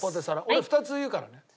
俺２つ言うからね。